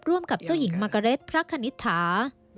ร่วมกับเจ้าหญิงมากาเรดพระคณิตถา